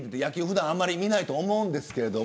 普段あまり見ないと思うんですけれど。